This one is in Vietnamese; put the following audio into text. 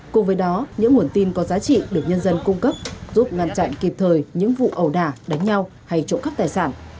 cùng với đó những nguồn tin có giá trị được nhân dân cung cấp giúp ngăn chặn kịp thời những vụ ẩu đả đánh nhau hay trộm cắp tài sản